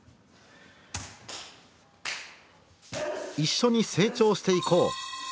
「一緒に成長していこう」。